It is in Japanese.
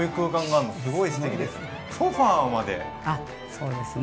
あそうですね。